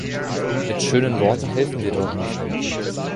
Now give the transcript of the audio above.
Mit schönen Worten helfen wir dort nicht.